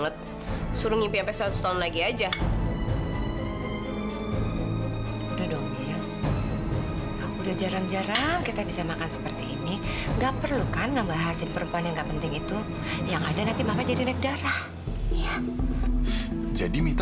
tidak sebanding dengan rasa sakit yang kamu perbuat